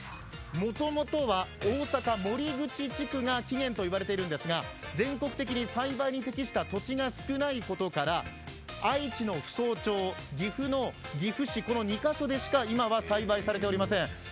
もともとは大阪・守口地区が起源と言われているんですが全国的に栽培に適した土地が少ないことから愛知の扶桑町、岐阜の岐阜市、この２カ所でしか今は栽培されておりません。